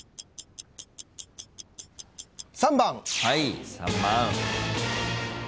３番。